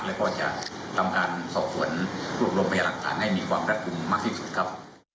และพอจะทำการส่วนกลุ่มลมพยาหลักฐานให้มีความรักคุมมากที่สุดครับ